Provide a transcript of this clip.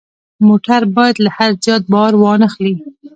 موټر باید له حد زیات بار وانه خلي.